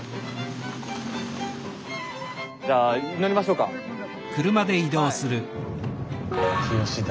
じゃあ乗りましょうかはい。